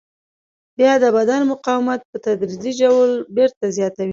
بیا د بدن مقاومت په تدریجي ډول بېرته زیاتوي.